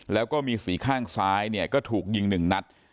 แล้วก็มีสีข้างซ้ายเนี่ยก็ถูกยิง๑นัด